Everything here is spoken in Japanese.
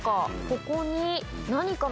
ここに。